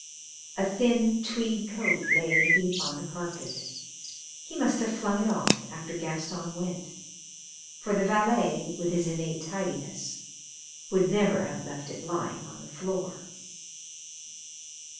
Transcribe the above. A thin tweed coat lay in a heap on the carpet he must have flung it off after Gaston went, for the valet, with his innate tidiness, would never have left it lying on the floor.